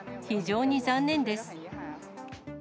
非常に残念です。